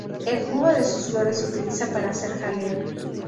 El jugo de sus flores se utiliza para hacer jalea.